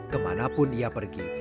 kemanapun dia pergi